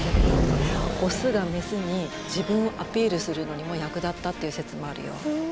オスがメスに自分をアピールするのにも役立ったっていう説もあるよ。